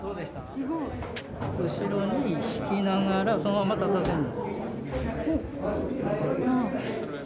後ろに引きながらそのまま立たせる。